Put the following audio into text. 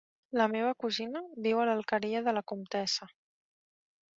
La meva cosina viu a l'Alqueria de la Comtessa.